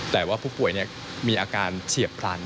แต่ว่าผู้ป่วยมีอาการเฉียบพลัน